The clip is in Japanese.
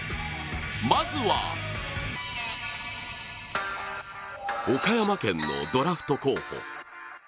まずは、岡山県のドラフト候補。